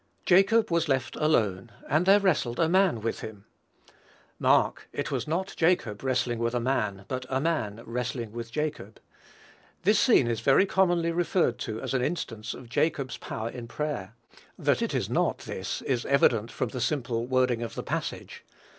"Jacob was left alone; and there wrestled a man with him." Mark, it was not Jacob wrestling with a man; but a man wrestling with Jacob; this scene is very commonly referred to as an instance of Jacob's power in prayer. That it is not this is evident from the simple wording of the passage.